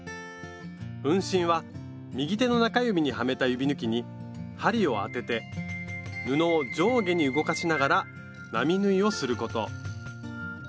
運針は右手の中指にはめた指ぬきに針を当てて布を上下に動かしながら並縫いをすること。